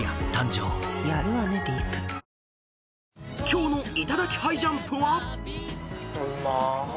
［今日の『いただきハイジャンプ』は］